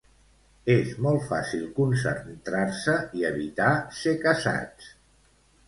És molt fàcil concentrar-se i evitar ser caçats!